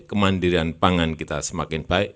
kemandirian pangan kita semakin baik